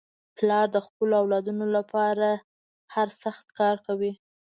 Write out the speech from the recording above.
پلار د خپلو اولادنو لپاره هر سخت کار کوي.